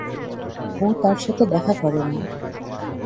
ও তাঁর সাথে দেখা করে না।